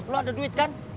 lo ada duit kan